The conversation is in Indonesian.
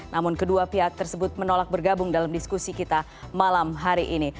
namun kedua pihak tersebut menolak bergabung dalam diskusi kita malam hari ini